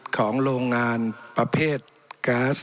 ของโรงงานประเภทกาส